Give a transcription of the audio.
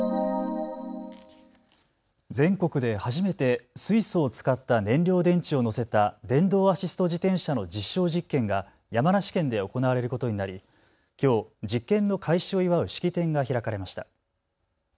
全国で初めて水素を使った燃料電池を載せた電動アシスト自転車の実証実験が山梨県で行われることになりきょう実験の開始を祝う式典が開かれました。